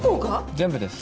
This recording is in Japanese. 全部です。